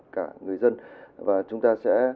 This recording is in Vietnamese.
cả người dân và chúng ta sẽ